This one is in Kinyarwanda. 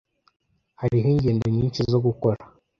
Hariho ingendo nyinshi zo gukora.